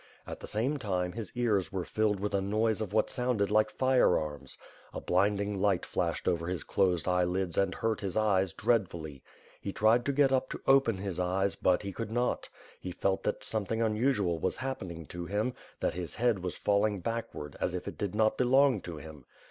At the same time, his ears were filled with a noise of what sounded like firearms. A blinding light flashed over his closed eyelids and hurt his eyes dread fully. He tried to get up to openhis eyes, but he could not; he felt that something unusual was happening to him; that his head was falling backward, as if it did not belong to him.